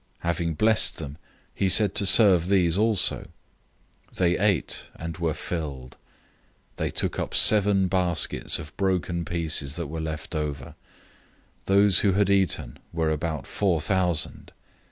Having blessed them, he said to serve these also. 008:008 They ate, and were filled. They took up seven baskets of broken pieces that were left over. 008:009 Those who had eaten were about four thousand.